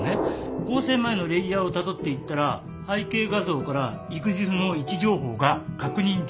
合成前のレイヤーをたどっていったら背景画像からＥｘｉｆの位置情報が確認できたんです。